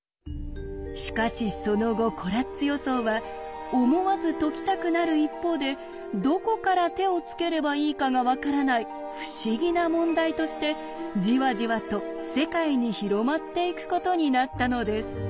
しかしその後コラッツ予想は思わず解きたくなる一方でどこから手をつければいいかが分からない不思議な問題としてじわじわと世界に広まっていくことになったのです。